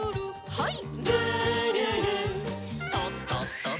はい。